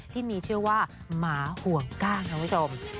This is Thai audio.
ที่มีชื่อว่าหมาห่วงก้านค่ะคุณผู้ชม